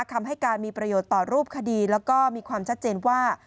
คำให้การมีประโยชน์ต่อรูปคดีแล้วก็มีความชัดเจนว่า